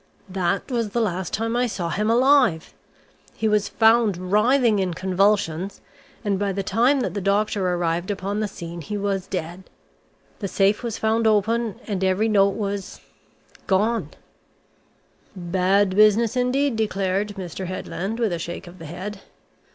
That was the last time I saw him alive! He was found writhing in convulsions and by the time that the doctor arrived upon the scene he was dead; the safe was found open, and every note was gone!" "Bad business indeed!" declared Mr. Headland with a shake of the head.